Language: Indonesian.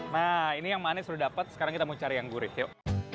nah ini yang manis sudah dapat sekarang kita mau cari yang gurih yuk